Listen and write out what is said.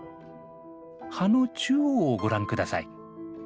葉の中央をご覧ください。